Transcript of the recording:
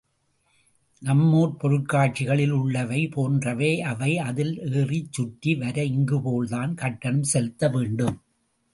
நம் ஊர் பொருட்காட்சிகளில் உள்ளவை போன்றவை அவை, அதில் ஏறிச் சுற்றி வர இங்குபோல்தான் கட்டணம் செலுத்த வேண்டும்.